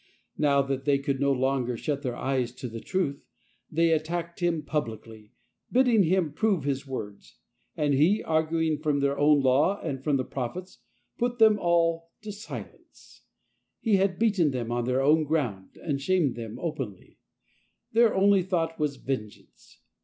Kow that they could no longer shut their eyes to the truth, 24 LIFE OF ST. PAUL they attacked him publicly, bidding him prove his words, and he, arguing from their own Law and from the Prophets, put them all to silence. He had beaten them on their own ground and shamed them openly; their only thought was vengeance.